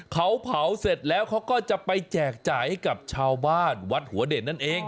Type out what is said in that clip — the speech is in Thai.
เขาเผาเสร็จแล้วเขาก็จะไปแจกจ่ายให้กับชาวบ้านวัดหัวเด่นนั่นเอง